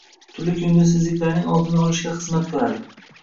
Turli ko‘ngilsizliklarning oldini olishga xizmat qiladi.